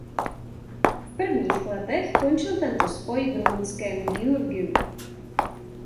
V prvních letech končil tento spoj v rumunském Giurgiu.